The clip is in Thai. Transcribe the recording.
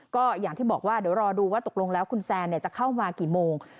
ก็อย่างที่บอกว่าเดี๋ยวรอดูว่าตกลงแล้วคุณแซนจะเข้ามากี่โมง